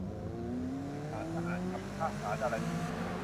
ซึ่งศาลจะอ่านคำพิพากษาดารณี